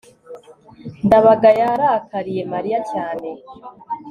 ndabaga yarakariye mariya cyane